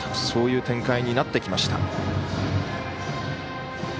そういう展開になってきました。